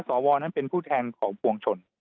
สวนั้นเป็นผู้แทนของปวงชน